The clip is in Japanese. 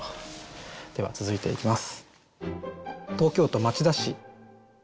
では続いていきます。